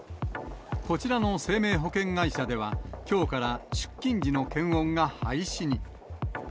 こちらの生命保険会社では、きょうから出勤時の検温が廃止に。